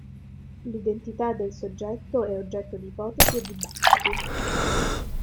L'identità del soggetto è oggetto di ipotesi e dibattiti.